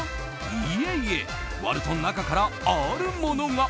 いえいえ、割ると中からあるものが。